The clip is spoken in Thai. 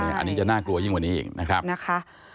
อันนี้จะน่ากลัวยิ่งกว่านี้อีกนะครับ